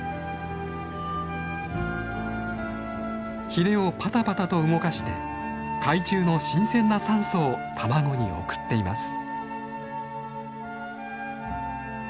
ヒレをパタパタと動かして海中の新鮮な酸素を卵に送っています。